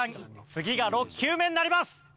次が６球目になります。